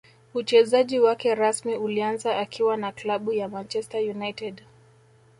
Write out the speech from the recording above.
Uchezaji wake rasmi ulianza akiwa na klabu ya Manchester united